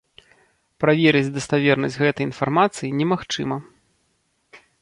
Праверыць даставернасць гэтай інфармацыі немагчыма.